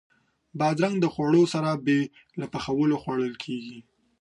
بادرنګ د خوړو سره بې له پخولو خوړل کېږي.